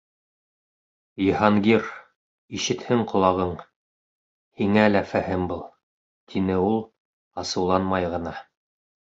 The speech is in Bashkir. Йыһангир, ишетһен ҡолағың, һиңә лә фәһем был, — тине ул, асыуланмай ғына.